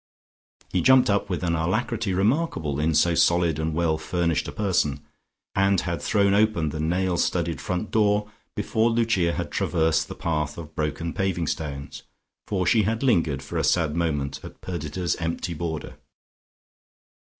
He jumped up with an alacrity remarkable in so solid and well furnished a person, and had thrown open the nail studded front door before Lucia had traversed the path of broken paving stones, for she had lingered for a sad moment at Perdita's empty border.